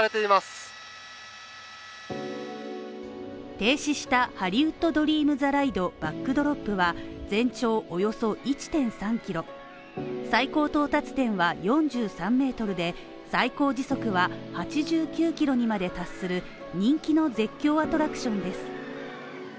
停止したハリウッドドリームザライドバックドロップは全長およそ１．３キロ、最高到達点は４３ｍで、最高時速は８９キロにまで達する人気の絶叫アトラクションです。